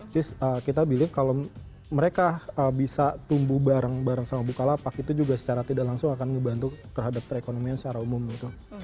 just kita bilang kalau mereka bisa tumbuh bareng bareng sama bukalapak itu juga secara tidak langsung akan membantu terhadap perekonomian secara umum gitu